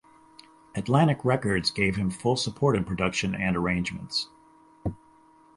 Atlantic Records gave him full support in production and arrangements.